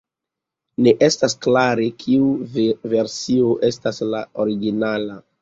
Ne estas klare kiu versio estas la originala.